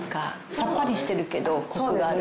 さっぱりしてるけどコクがある。